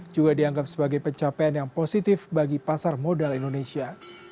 juga dianggap sebagai pencapaian yang positif bagi pasar modal indonesia